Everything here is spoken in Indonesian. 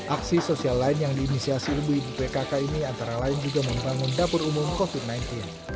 aksi sosial lain yang diinisiasi ibu ibu pkk ini antara lain juga membangun dapur umum covid sembilan belas